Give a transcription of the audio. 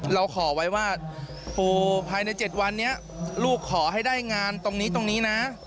เราขอไว้ว่าปูภายใน๗วันนี้ลูกขอให้ได้งานตรงนี้ตรงนี้นะ